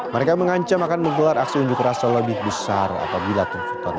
mereka mengancam akan menggelar aksi unjuk rasa lebih besar apabila tuntutan